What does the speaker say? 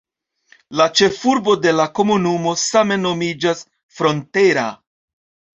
La ĉefurbo de la komunumo same nomiĝas "Frontera".